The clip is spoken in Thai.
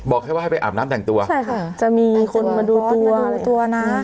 แค่ว่าให้ไปอาบน้ำแต่งตัวใช่ค่ะจะมีคนมาดูตัวรู้ตัวนะ